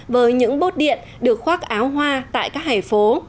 với những bốt điện được khoác áo hoa tại các hẻ phố